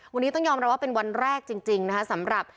วันนี้ต้องยอมรับว่าเป็นวันแรกจริงนะคะสำหรับ